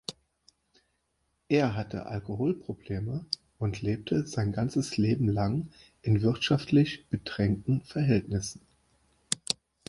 Er hatte Alkoholprobleme und lebte sein ganzes Leben lang in wirtschaftlich bedrängten Verhältnissen.